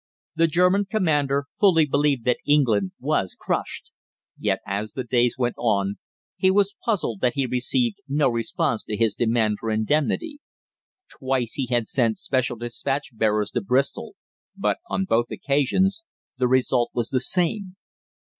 The German commander fully believed that England was crushed; yet, as the days went on, he was puzzled that he received no response to his demand for indemnity. Twice he had sent special despatch bearers to Bristol, but on both occasions the result was the same.